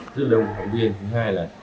rất là đông bác viên thứ hai là